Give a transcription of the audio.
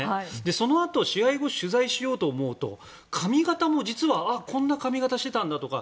そのあと試合後取材しようと思うと髪形も実はこんな髪形していたんだとか